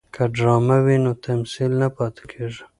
که ډرامه وي نو تمثیل نه پاتې کیږي.